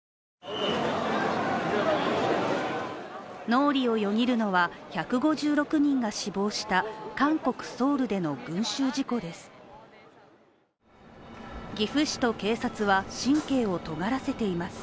脳裏をよぎるのは、１５６人が死亡した韓国・ソウルでの群集事故です。